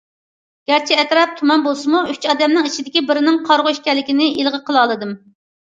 گەرچە ئەتراپ تۇمان بولسىمۇ ئۈچ ئادەمنىڭ ئىچىدىكى بىرىنىڭ قارىغۇ ئىكەنلىكىنى ئىلغا قىلالىدىم.